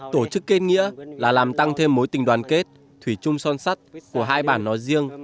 tổ chức kết nghĩa là làm tăng thêm mối tình đoàn kết thủy chung son sắt của hai bản nói riêng